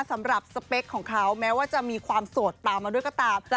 สเปคของเขาแม้ว่าจะมีความโสดตามมาด้วยก็ตาม